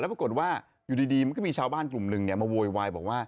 ปรากฏว่าอยู่ดีมันก็มีชาวบ้านกลุ่มหนึ่งมาโวยวายบอกว่า